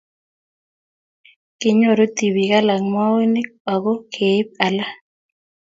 kinyoru tibik alak moonik aku keib alak